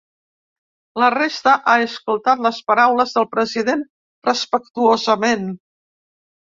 La resta ha escoltat les paraules del president respectuosament.